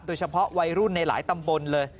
โดยเฉพาะวัยรุ่นในหลายตำบลเลย